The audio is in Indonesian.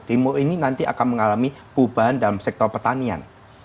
timur ini nanti akan mengalami perubahan dalam sektor pertanian